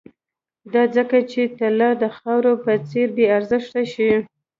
دا ځکه چې طلا د خاورې په څېر بې ارزښته شي